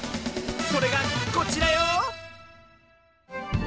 それがこちらよ！